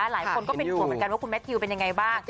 หลายคนก็เป็นห่วงเหมือนกันว่าคุณแมททิวเป็นยังไงบ้าง